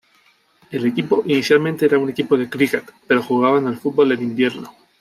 El equipo inicialmente era un equipo de críquet, pero jugaban al fútbol en invierno.